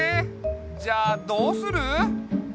じゃあどうする？